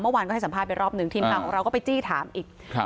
เมื่อวานก็ให้สัมภาษณ์ไปรอบหนึ่งทีมข่าวของเราก็ไปจี้ถามอีกครับ